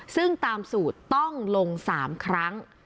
ซึ่งตามสูตรต้องลง๓ครั้ง